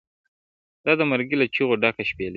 دا د مرګي له چېغو ډکه شپېلۍ٫